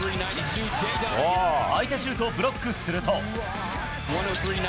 相手シュートをブロックすると。